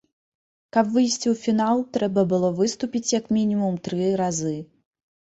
Каб выйсці ў фінал, трэба было выступіць як мінімум тры разы.